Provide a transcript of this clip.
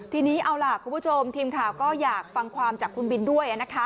ทีนี้เอาล่ะคุณผู้ชมทีมข่าวก็อยากฟังความจากคุณบินด้วย